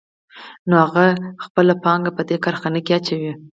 نو هغه خپله پانګه په دې کارخانه کې اچوي